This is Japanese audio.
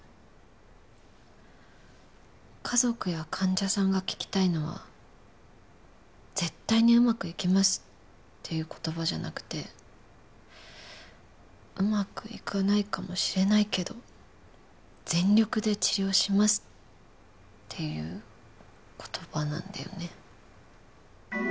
家族や患者さんが聞きたいのは「絶対にうまくいきます」っていう言葉じゃなくて「うまくいかないかもしれないけど全力で治療します」っていう言葉なんだよね。